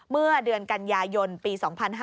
เมื่อเดือนกันยายนปี๒๕๕๙